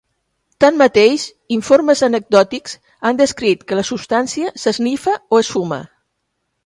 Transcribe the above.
Tanmateix, informes anecdòtics han descrit que la substància s'esnifa o es fuma.